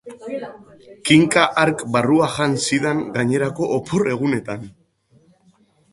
Kinka hark barrua jan zidan gainerako opor-egunetan.